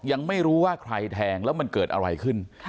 ยังไม่รู้ว่าใครแทงแล้วมันเกิดอะไรขึ้น